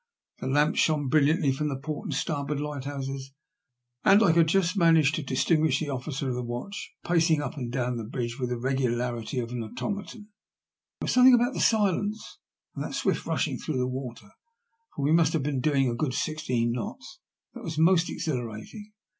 The lamps shone brilliantly from the port and starboard lighthouses, and I could just manage to distinguish the officer of the watch pacing up and down the bridge with the regularity of an automaton. There was something about the silence, and that swift rushing through the water — for we must have been doing a good sixteen knots — that was most exhilarating.